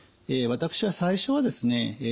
私は最初はですね